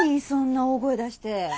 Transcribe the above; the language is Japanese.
そんな大声出して。